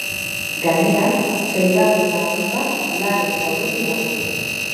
Gainera, seigarren lagun bat larri zauritu da.